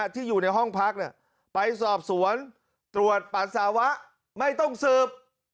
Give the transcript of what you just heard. ที่อยู่ในห้องพักไปสอบสวนตรวจปัสสาวะไม่ต้องสืบ